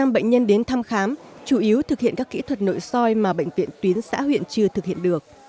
một mươi bệnh nhân đến thăm khám chủ yếu thực hiện các kỹ thuật nội soi mà bệnh viện tuyến xã huyện chưa thực hiện được